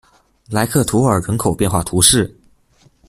莱克图尔人口变化图示